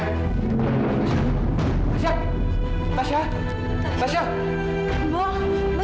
ibu ibu coba cepat panggil dokter ya ibu